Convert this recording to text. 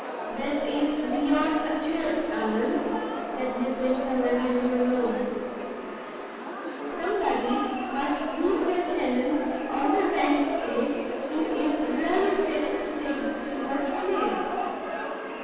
"This is beyond a joke, Allan," said Midwinter, when they were alone. "Somebody must meet your tenants on the rent day who is really fit to take the steward's place.